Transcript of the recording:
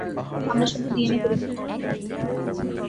আমরা শুধু ডিএনএ পরীক্ষার জন্য বলেছিলাম।